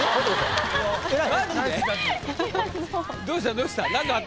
どうしたん？